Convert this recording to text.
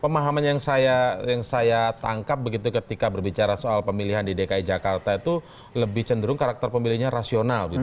pemahaman yang saya tangkap begitu ketika berbicara soal pemilihan di dki jakarta itu lebih cenderung karakter pemilihnya rasional